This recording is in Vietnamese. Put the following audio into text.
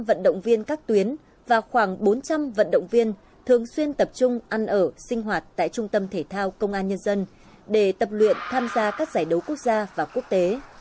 vận động viên các tuyến và khoảng bốn trăm linh vận động viên thường xuyên tập trung ăn ở sinh hoạt tại trung tâm thể thao công an nhân dân để tập luyện tham gia các giải đấu quốc gia và quốc tế